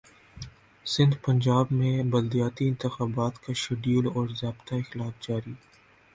سندھپنجاب میں بلدیاتی انتخابات کاشیڈول اور ضابطہ اخلاق جاری